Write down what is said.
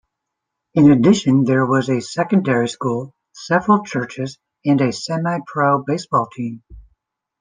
In addition, there was a secondary school, several churches, and a semi-pro baseball team.